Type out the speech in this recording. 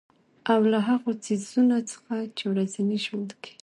او له هـغو څـيزونه څـخـه چـې په ورځـني ژونـد کـې